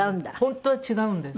本当は違うんです。